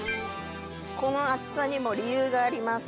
この厚さにも理由があります